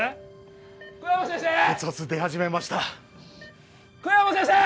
血圧出始めました小山先生